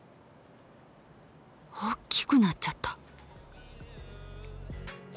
大きくなっちゃった。